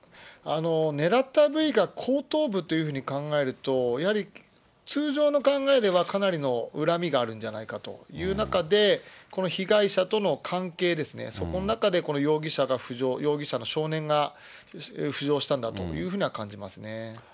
狙った部位が後頭部というふうに考えると、やはり通常の考えではかなりの恨みがあるんじゃないかという中で、この被害者との関係ですね、そこの中でこの容疑者が浮上、容疑者の少年が浮上したんだというふうに感じますね。